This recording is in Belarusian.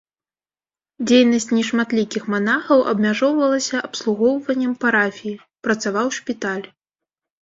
Дзейнасць нешматлікіх манахаў абмяжоўвалася абслугоўваннем парафіі, працаваў шпіталь.